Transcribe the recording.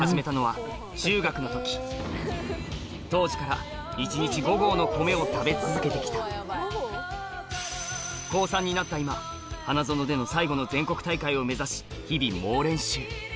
当時から一日５合の米を食べ続けて来た高３になった今花園での最後の全国大会を目指し日々猛練習